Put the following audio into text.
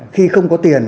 khi không có tiền